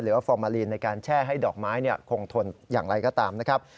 ว่าฟอร์มาลีนในการแช่ให้ดอกไม้คงทนอย่างไรก็ตามนะครับ